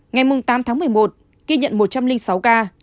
ngày mùng tám tháng một mươi một kỳ nhận một trăm linh sáu ca